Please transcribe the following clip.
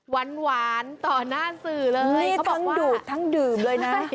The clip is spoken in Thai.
หวานต่อหน้าสื่อเลยนี่เขาบอกทั้งดูดทั้งดื่มเลยนะ